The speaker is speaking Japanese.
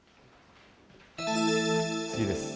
次です。